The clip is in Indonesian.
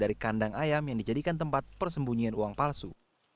dari kandang ayam yang dijadikan tempat persembunyian uang palsu